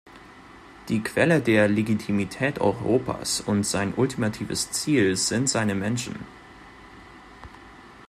Die Quelle der Legitimität Europas und sein ultimatives Ziel sind seine Menschen.